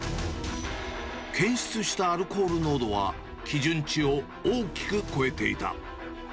検出したアルコール濃度は、基準値を大きく超えていた。